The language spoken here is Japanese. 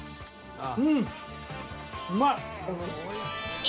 うんうまい！